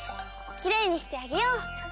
きれいにしてあげよう！